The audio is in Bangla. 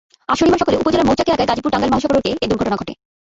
আজ শনিবার সকালে উপজেলার মৌচাক এলাকায় গাজীপুর টাঙ্গাইল মহাসড়কে এ দুর্ঘটনা ঘটে।